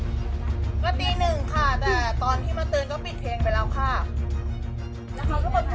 ก็ตีหนึ่งค่ะแต่ตอนที่มาเตือนก็ปิดเพลงไปแล้วค่ะ